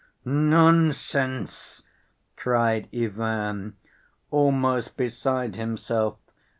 "Nonsense!" cried Ivan, almost beside himself.